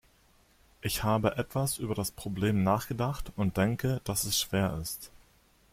Ich habe etwas über das Problem nachgedacht und denke, dass es schwer ist.